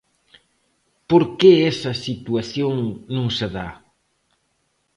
¿Por que esa situación non se dá?